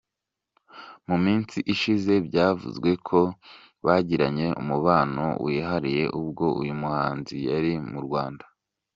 Mu minsi ishize byavuzwe ko bagiranye umubano wihariye ubwo uyu muhanzi yari mu Rwanda.